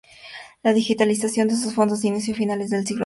La digitalización de sus fondos se inició a finales del siglo pasado.